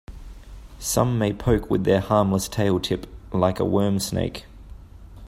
Some may poke with their harmless tail tip, like a worm snake.